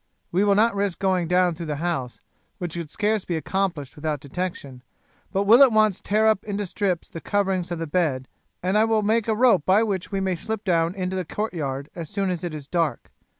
We will not risk going down through the house, which could scarce be accomplished without detection, but will at once tear up into strips the coverings of the bed, and I will make a rope by which we may slip down into the courtyard as soon as it is dark.